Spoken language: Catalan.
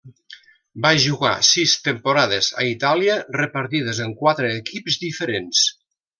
Va jugar sis temporades a Itàlia, repartides en quatre equips diferents.